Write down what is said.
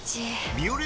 「ビオレ」